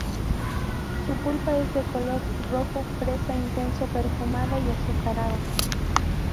Su pulpa es de color rojo fresa intenso perfumada y azucarada.